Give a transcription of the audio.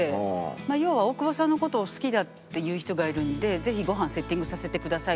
要は「大久保さんの事を好きだっていう人がいるんでぜひごはんセッティングさせてください」。